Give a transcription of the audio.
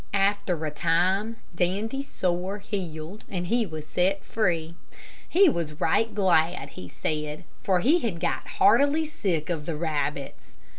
After a time, Dandy's sore healed, and he was set free. He was right glad, he said, for he had got heartily sick of the rabbits.